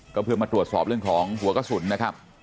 ก็เพื่อมาตรวจสอบเรื่องของหัวกระสุนนะครับ